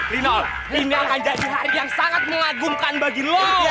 ini akan jadi hari yang sangat mengagumkan bagi loyal